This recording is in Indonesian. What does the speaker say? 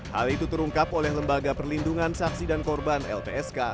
hal itu terungkap oleh lembaga perlindungan saksi dan korban lpsk